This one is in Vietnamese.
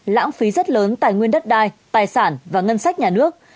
lãng phí rất lớn tài nguyên đất đai tài sản và ngân sách nhà nước